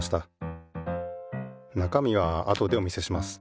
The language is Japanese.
なかみはあとでお見せします。